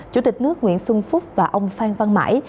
chủ tịch nước nguyễn xuân phúc và ông phan văn mãi